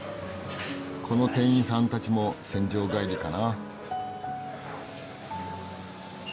この店員さんたちも戦場帰りかな。